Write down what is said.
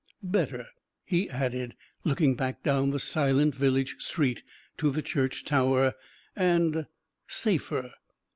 Better," he added, looking back down the silent village street to the church tower, "and safer."